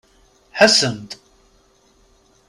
Ḥessem-d!